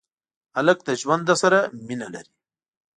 هلک له ژوند سره مینه لري.